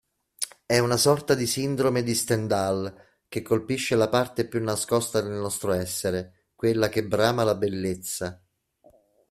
È una sorta di sindrome di Stendhal che colpisce la parte più nascosta del nostro essere, quella che brama la bellezza.